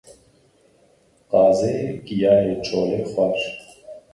Qazê giyayê çolê xwar